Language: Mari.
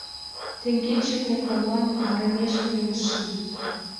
Теҥгече кокамлан арымеш пуышым.